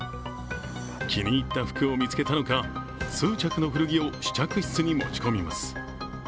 気に入った服を見つけたのか数着の古着を試着室に持ち込みます。